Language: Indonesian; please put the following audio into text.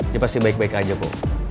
dia pasti baik baik aja kok